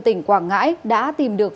tỉnh quảng ngãi đã tìm được